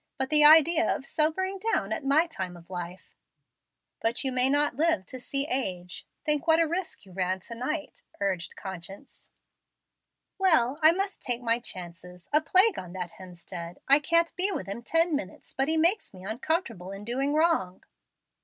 But the idea of sobering down at my time of life!" "But you may not live to see age, Think what a risk you ran to night," urged conscience. "Well, I must take my chances. A plague on that Hemstead! I can't be with him ten minutes but he makes me uncomfortable in doing wrong.